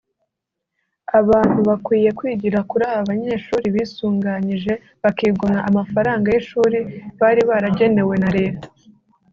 Abantu bakwiye kwigira kuri aba banyeshuri bisuganyije bakigomwa amafaranga y’ishuri bari baragenewe na Leta